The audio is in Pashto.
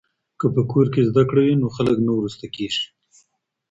که په کور کې زده کړه وي نو خلګ نه وروسته کیږي.